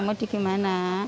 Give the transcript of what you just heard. mau di gimana